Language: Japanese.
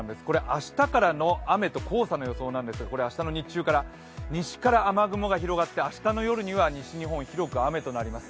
明日からの雨と黄砂の予想なんですけど、明日の日中から西から雨雲が広がって明日の夜には西日本、雨となります